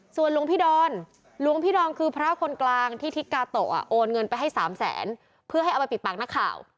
ส่วนหลวงพี่ดอนหลวงพี่ดอนคือพระคนกลางที่ทิศกาโตะโอนเงินไปให้๓แสนเพื่อให้เอาไปปิดปากนักข่าว